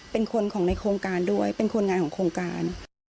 เป็นคนของในโครงการด้วยเป็นคนงานของโครงการ